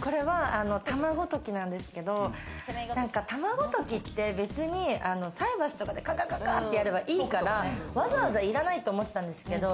これは玉子溶きなんですけれど、卵ときって別に菜箸とかでやればいいからわざわざいらないと思ってたんですけれども。